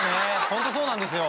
本当そうなんですよ！